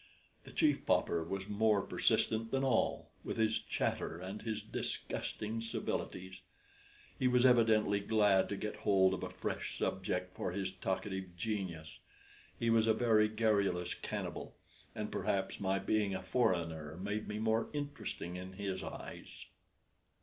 The Chief Pauper was more persistent than all, with his chatter and his disgusting civilities. He was evidently glad to get hold of a fresh subject for his talkative genius; he was a very garrulous cannibal, and perhaps my being a foreigner made me more interesting in his eyes.